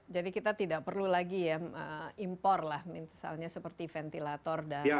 jadi kita tidak perlu lagi ya impor lah misalnya seperti ventilator dan reagen pcr